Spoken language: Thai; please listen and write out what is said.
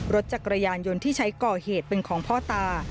รถจักรยานยนต์ที่ใช้ก่อเหตุเป็นของพ่อตา